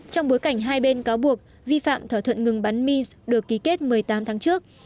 trong bối cảnh hai bên cáo buộc vi phạm thỏa thuận ngừng bắn mis được ký kết một mươi tám tháng trước